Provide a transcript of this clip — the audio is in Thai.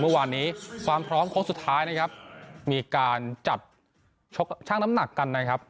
เมื่อวานนี้ความพร้อมโค้งสุดท้ายนะครับมีการจัดช่างน้ำหนักกันนะครับ